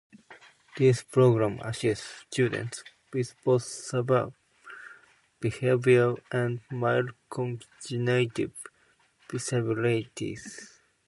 This program assists students with both severe behaviour and mild cognitive disabilities.